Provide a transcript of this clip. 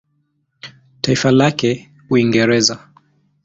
Taifa lake Uingereza.